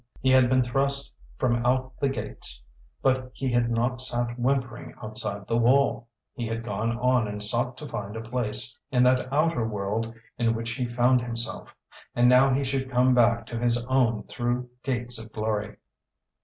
He had been thrust from out the gates, but he had not sat whimpering outside the wall. He had gone on and sought to find a place in that outer world in which he found himself. And now he should come back to his own through gates of glory.